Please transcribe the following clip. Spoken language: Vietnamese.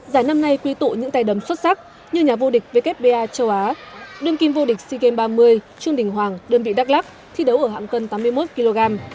giải năm nay quy tụ những tay đấm xuất sắc như nhà vô địch vkpa châu á đương kim vô địch sea games ba mươi trương đình hoàng đơn vị đắk lắk thi đấu ở hạng cân tám mươi một kg